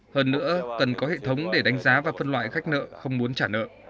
hơn nữa cần có hệ thống để đánh giá và phân loại khách nợ không muốn trả nợ